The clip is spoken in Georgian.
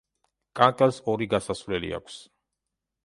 კანკელს ორი გასასვლელი აქვს.